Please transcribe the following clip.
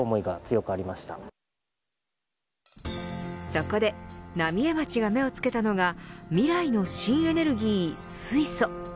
そこで浪江町が目をつけたのが未来の新エネルギー、水素。